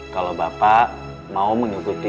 kalau bapak mau mengikuti